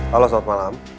halo selamat malam